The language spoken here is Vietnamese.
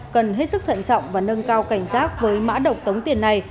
cần hết sức thận trọng và nâng cao cảnh giác với mã độc tống tiền này